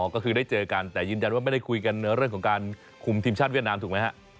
ก็คือได้เจอกันแต่ยืนยันว่าไม่ได้คุยกันในเรื่องของการคุมทีมชาติเวียดนามถูกไหมฮะ